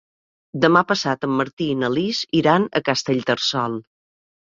Demà passat en Martí i na Lis iran a Castellterçol.